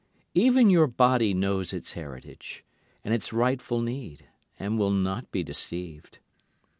Even your body knows its heritage and its rightful need and will not be deceived.